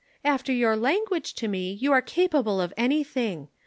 "'After your language to me you are capable of anything.